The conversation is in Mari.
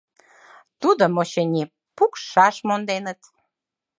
Тудым, очыни, пукшаш монденыт.